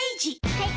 はい。